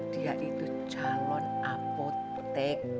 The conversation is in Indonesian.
dia itu calon apotek